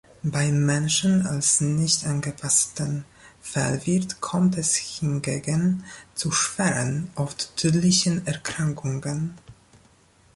Beim Menschen als nicht-angepassten Fehlwirt kommt es hingegen zu schweren, oft tödlichen Erkrankungen.